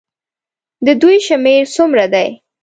د دوی شمېر څومره دی.